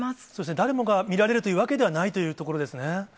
誰もが見られるというわけではないということですね。